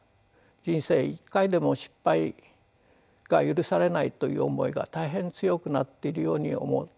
人生一回でも失敗が許されないという思いが大変強くなっているように思います。